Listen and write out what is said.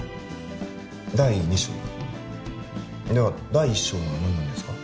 第二章？では第一章は何なんですか？